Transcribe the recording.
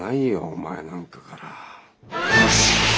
お前なんかから。